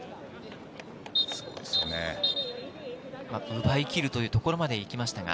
奪い切るというところまで行きました。